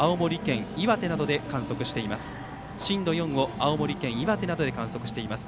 震度４を青森県、岩手などで観測しています。